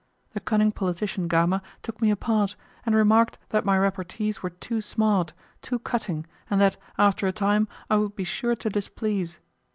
The cunning politician Gama took me apart, and remarked that my repartees were too smart, too cutting, and that, after a time, I would be sure to displease.